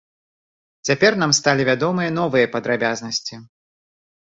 Цяпер нам сталі вядомыя новыя падрабязнасці.